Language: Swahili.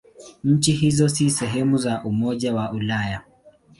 Nchi hizo si sehemu za Umoja wa Ulaya.